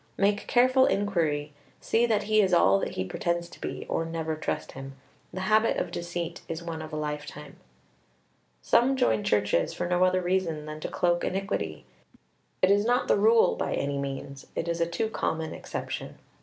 Make careful inquiry, see that he is all that he pretends to be, or never trust him. The habit of deceit is one of a lifetime. Some join churches for no other reason than to cloak iniquity. It is not the rule by any means; it is a too common exception.